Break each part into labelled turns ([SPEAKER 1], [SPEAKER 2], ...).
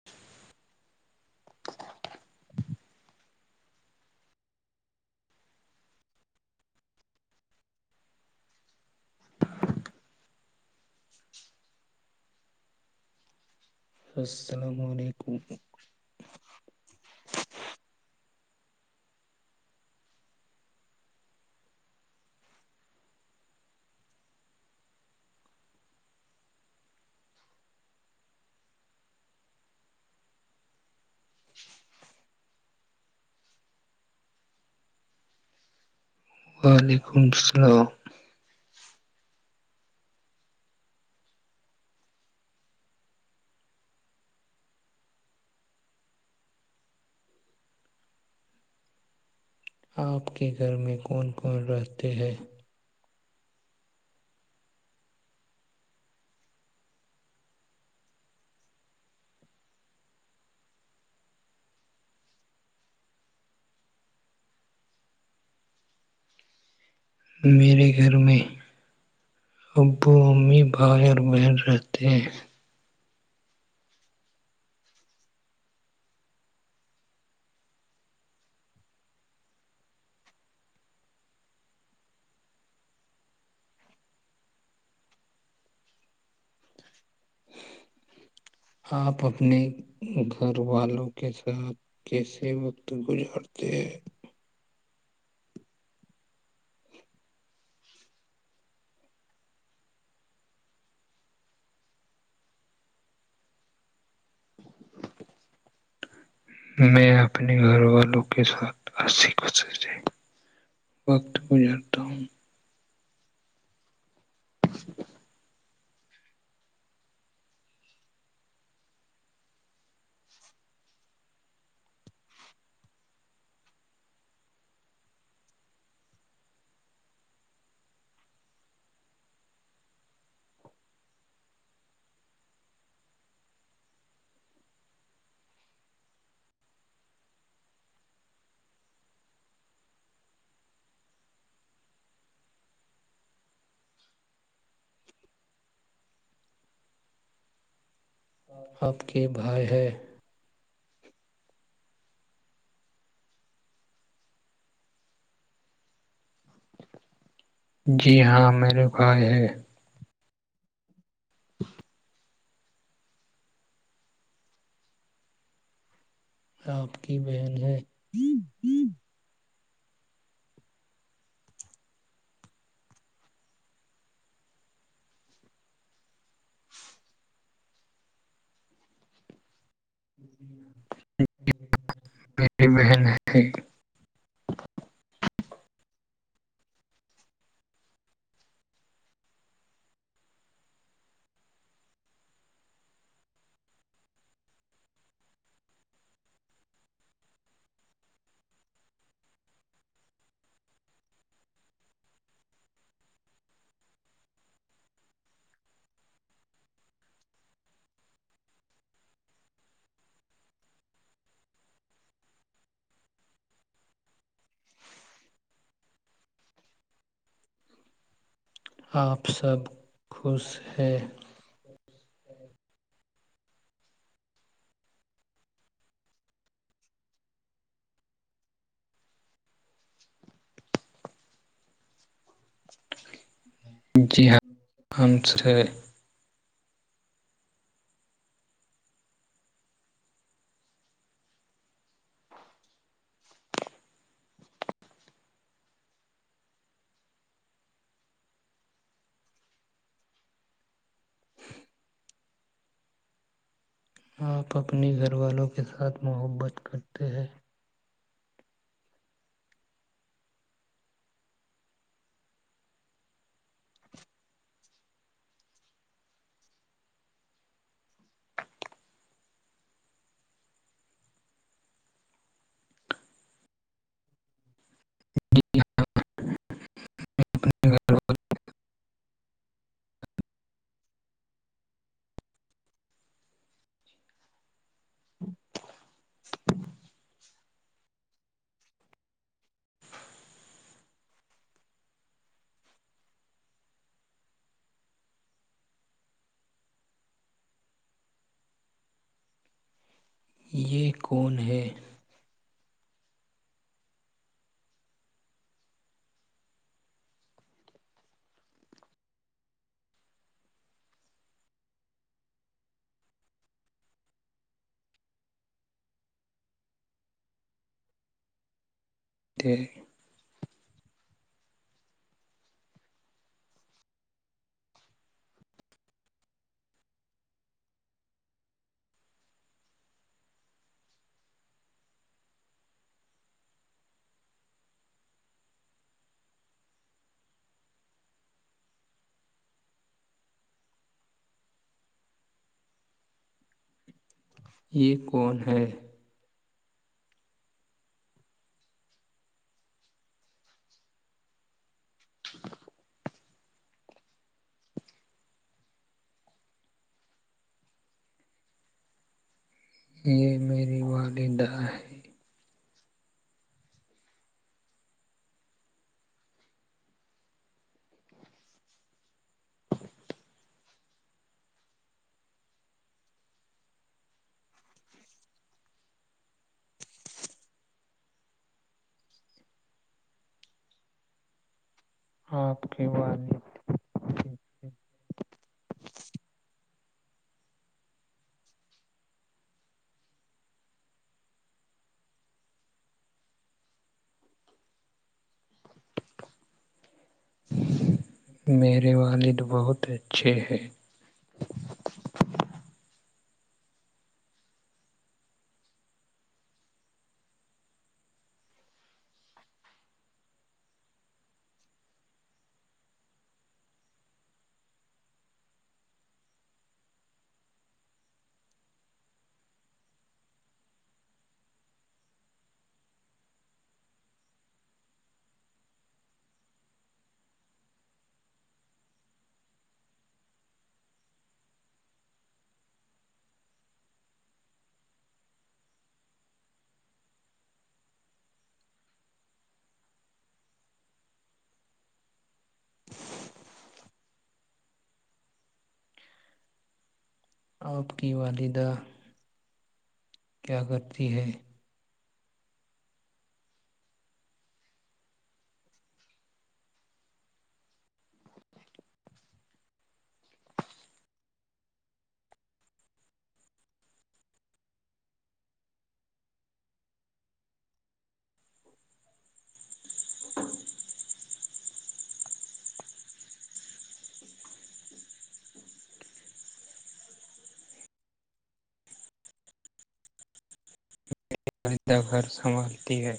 [SPEAKER 1] [inaudible]
[SPEAKER 2] [inaudible] السلام علیکم
[SPEAKER 1] وعلیکم السلام
[SPEAKER 2] [inaudible] آپ کے گھر میں کون کون رہتے ہیں
[SPEAKER 1] میرے گھر میں ابو امی بھائی اور بہن رہتے ہیں
[SPEAKER 2] [inaudible] آپ اپنے گھر والوں کے ساتھ کیسے وقت گزارتے ہیں [inaudible]
[SPEAKER 1] میں اپنے گھر والوں کے ساتھ وقت گزارتا ہوں [inaudible]
[SPEAKER 2] آپ کے بھائی ہے
[SPEAKER 1] جی ہاں میرے بھائی ہے
[SPEAKER 2] آپ کی بہن ہے [unintelligible]
[SPEAKER 1] میری بہن ہے
[SPEAKER 2] [inaudible] آپ سب خوش ہیں
[SPEAKER 1] جی ہاں ہم سب خوش ہیں
[SPEAKER 2] آپ اپنے گھر والوں کے ساتھ محبت کرتے ہیں
[SPEAKER 1] گھر والے۔
[SPEAKER 2] یہ کون ہے
[SPEAKER 1] [inaudible]
[SPEAKER 2] یہ کون ہے
[SPEAKER 1] یہ یہ میری والدہ
[SPEAKER 2] آپ کی والدہ
[SPEAKER 1] میرے والد بہت اچھے ہیں
[SPEAKER 2] آپ کی والدہ کیا کرتی ہے
[SPEAKER 1] گھر سنبھالتی ہے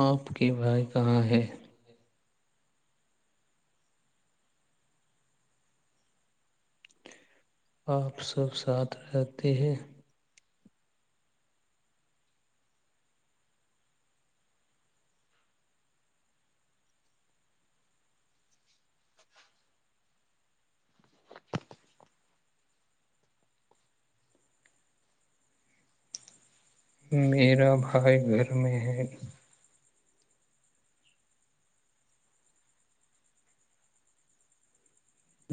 [SPEAKER 2] آپ کے بھائی کہاں ہے آپ
[SPEAKER 1] اور
[SPEAKER 2] سب ساتھ
[SPEAKER 1] سارے
[SPEAKER 2] رہتے ہیں
[SPEAKER 1] کرتے میرا بھائی گھر میں ہے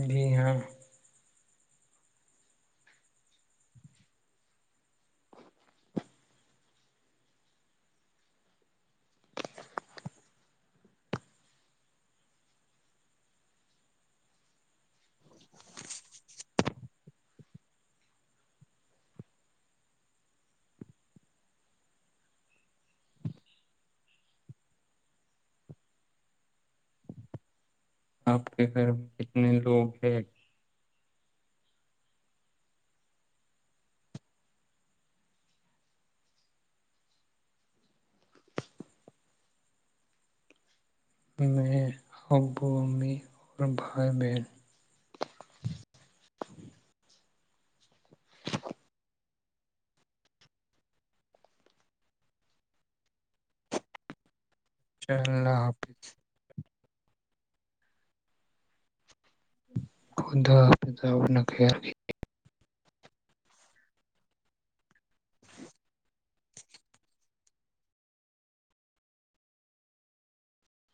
[SPEAKER 1] جی ہاں
[SPEAKER 2] [inaudible] آپ کے گھر میں کتنے لوگ ہے
[SPEAKER 1] میں ابو امی اور بھائی بہن
[SPEAKER 2] اچھا اللہ حافظ
[SPEAKER 1] خدا حافظ آپ اپنا خیال رکھئے
[SPEAKER 2] [inaudible]